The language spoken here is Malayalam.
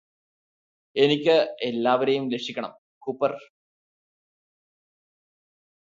എനിക്ക് എല്ലാവരെയും രക്ഷിക്കണം കൂപ്പര്